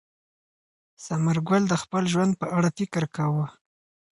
ثمر ګل د خپل ژوند په اړه فکر کاوه.